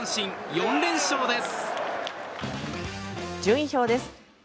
順位表です。